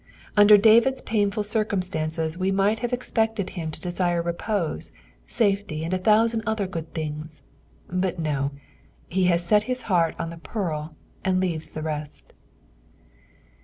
Under David's piunful circumstances we might linva expected him to desire repose, safety, and & thounand other good things, but no, he has set his heart on the pearl, and leaves the rest.